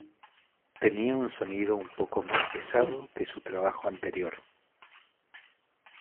Tenía un sonido un poco más pesado que su trabajo anterior.